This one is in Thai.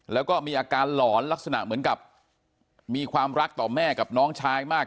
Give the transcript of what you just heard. แล้วก็มีอาการหลอนลักษณะเหมือนกับมีความรักต่อแม่กับน้องชายมาก